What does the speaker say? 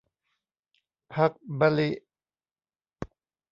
พรรคมะลิ